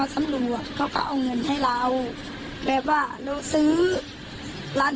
เอาเป็นข้อสรุปง่ายแล้วอ่ะเงินที่ผมคืนมาจะต้องถึงน้อง